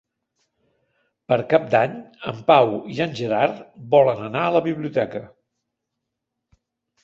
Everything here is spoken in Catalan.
Per Cap d'Any en Pau i en Gerard volen anar a la biblioteca.